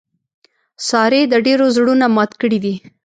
سارې د ډېرو زړونه مات کړي دي.